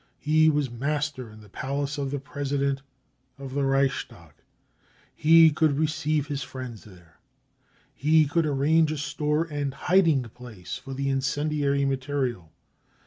He was master in the palace of the President; of the Reichstag. He could receive his friends there. He could arrange a store and hiding place for the incendiary material.